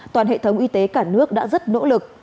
toàn hệ thống y tế cả nước đã rất nỗ lực